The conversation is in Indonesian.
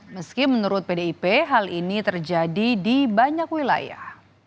meski menurut pdip hal ini terjadi di banyak wilayah